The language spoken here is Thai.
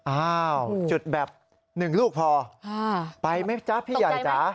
อ้าวจุดแบบ๑ลูกพอไปไหมจ๊ะพี่ใหญ่จ๋า